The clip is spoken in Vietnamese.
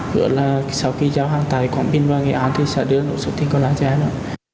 rồi là sau khi giao hàng tài còn pin vào nghề án thì sẽ đưa đồ xuất thì còn lại cho em ạ